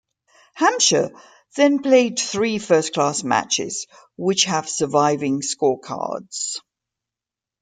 Hampshire then played three first-class matches which have surviving scorecards.